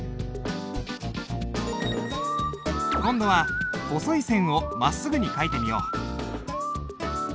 今度は細い線をまっすぐに書いてみよう。